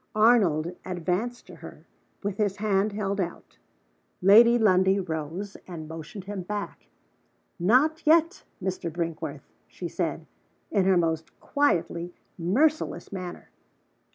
Arnold advanced to her, with his hand held out. Lady Lundie rose, and motioned him back. "Not yet, Mr. Brinkworth!" she said, in her most quietly merciless manner.